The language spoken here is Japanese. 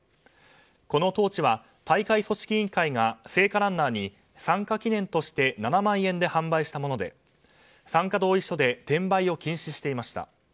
このトーチは大会組織委員会が聖火ランナーに参加記念として７万円で販売したもので参加同意書で転売を禁止していました。